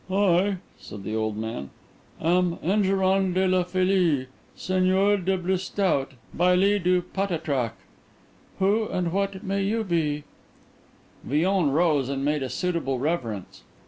"I," said the old man, "am Enguerrand de la Feuillée, seigneur de Brisetout, bailly du Patatrac. Who and what may you be?" Villon rose and made a suitable reverence.